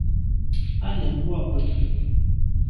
À nèn boa bon.